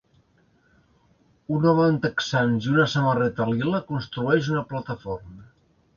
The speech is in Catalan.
Un home amb texans i una samarreta lila construeix una plataforma.